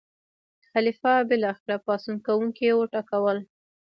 خلیفه بالاخره پاڅون کوونکي وټکول.